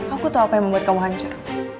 aku tahu apa yang membuat kamu hancur